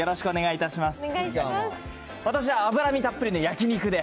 私、脂身たっぷりの焼き肉で。